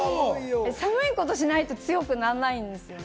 寒いことをしないと強くなんないんですよね。